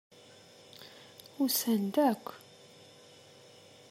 Usan-d akk.